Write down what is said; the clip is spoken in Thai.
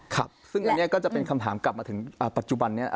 ครับซึ่งอันนี้ก็จะเป็นคำถามกลับมาถึงปัจจุบันนี้